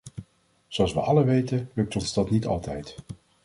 Zoals we allen weten lukt ons dat niet altijd.